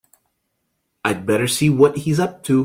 I'd better see what he's up to.